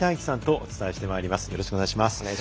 よろしくお願いします。